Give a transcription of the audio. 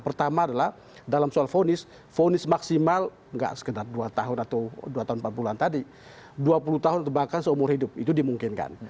pertama adalah dalam soal fonis fonis maksimal nggak sekedar dua tahun atau dua tahun empat bulan tadi dua puluh tahun atau bahkan seumur hidup itu dimungkinkan